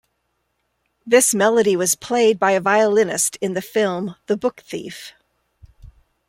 This melody was played by a violinist in the film "The Book Thief".